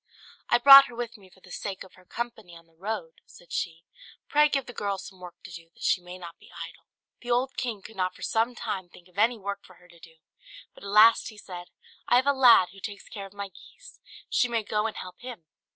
"I brought her with me for the sake of her company on the road," said she. "Pray give the girl some work to do, that she may not be idle." The old king could not for some time think of any work for her to do, but at last he said, "I have a lad who takes care of my geese; she may go and help him."